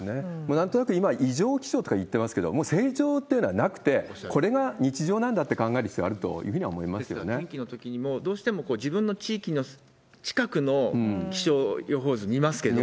なんとなく今、異常気象といってますけれども、もう成長っていうのはなくて、これが日常なんだって考える必要がですから天気のときも、どうしても自分の地域の近くの気象予報図見ますけれども。